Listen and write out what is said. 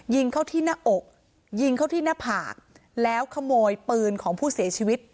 ยิงเข้าที่หน้าอกยิงเข้าที่หน้าผากแล้วขโมยปืนของผู้เสียชีวิต